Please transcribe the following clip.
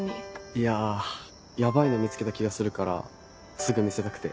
いやヤバいの見つけた気がするからすぐ見せたくて。